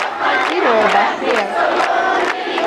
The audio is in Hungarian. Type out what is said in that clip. Miről beszél?